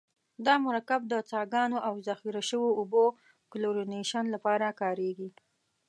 دا مرکب د څاګانو او ذخیره شویو اوبو کلورینیشن لپاره کاریږي.